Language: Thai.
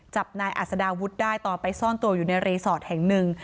จับนายอัศดาวุฒิได้ตอนไปซ่อนตัวอยู่ในรีสอร์ทแห่งหนึ่ง